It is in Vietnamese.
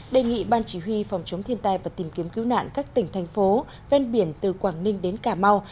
đề nghị ban chỉ huy phòng chống thiên tai và tìm kiếm cứu nạn các tỉnh thành phố ven biển từ quảng ninh đến cà mau